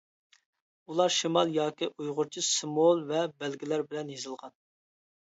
ئۇلار شىمال ياكى ئۇيغۇرچە سىمۋول ۋە بەلگىلەر بىلەن يېزىلغان.